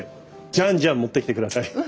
じゃんじゃん持ってきてください。